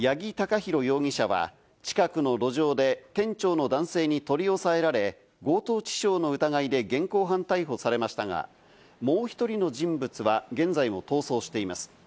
このうち大阪府に住む八木貴寛容疑者は、近くの路上で店長の男性に取り押さえられ、強盗致傷の疑いで現行犯逮捕されましたが、もう１人の人物は現在も逃走しています。